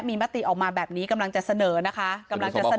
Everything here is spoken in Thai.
มีมติออกมาแบบนี้กำลังจะเสนอนะคะกำลังจะเสนอ